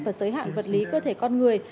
và giới hạn vật lý cơ thể con người